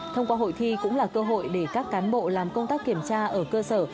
thông qua hội thi cũng là cơ hội để các cán bộ làm công tác kiểm tra ở cơ sở